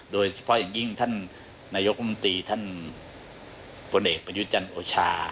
โดยเฉพาะอย่างยิ่งท่านนายกรมตรีท่านพลเอกประยุทธ์จันทร์โอชา